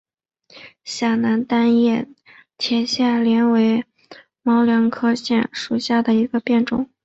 陕南单叶铁线莲为毛茛科铁线莲属下的一个变种。